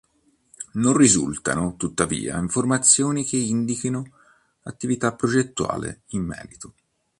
Non risultano, tuttavia, informazioni che indichino attività progettuale in merito.